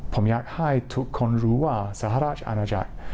ผมอยากให้ทุกคนรู้ว่าสหราชอาณาจักร